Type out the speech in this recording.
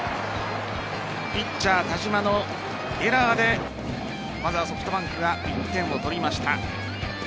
ピッチャー・田嶋のエラーでまずはソフトバンクが１点を取りました。